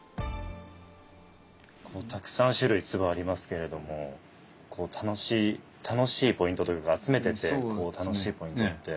たくさん種類鐔ありますけれどもこう楽しいポイントというか集めててこう楽しいポイントって。